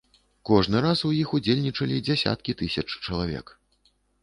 Кожны раз у іх удзельнічалі дзясяткі тысяч чалавек.